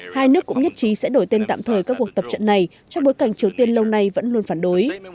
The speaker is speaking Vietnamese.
hai nước cũng nhất trí sẽ đổi tên tạm thời các cuộc tập trận này trong bối cảnh triều tiên lâu nay vẫn luôn phản đối